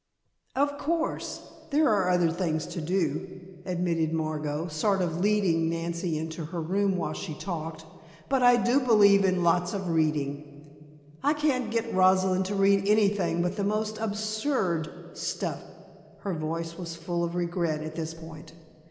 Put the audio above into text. "Of course, there are other things to do," admitted Margot, sort of leading Nancy into her room while she talked, "but I do believe in lots of reading. I can't get Rosalind to read anything but the most absurd stuff," her voice was full of regret at this point.